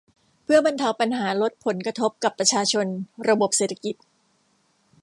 เพื่อบรรเทาปัญหาลดผลกระทบกับประชาชนระบบเศรษฐกิจ